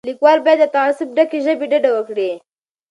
لیکوال باید له تعصب ډکې ژبې ډډه وکړي.